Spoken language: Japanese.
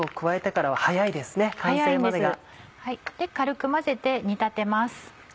軽く混ぜて煮立てます。